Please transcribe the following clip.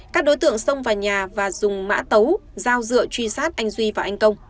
các đối tượng xông vào nhà và dùng mã tấu dao dựa truy sát anh duy và anh công